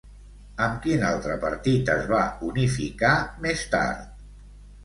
Amb quin altre partit es va unificar, més tard?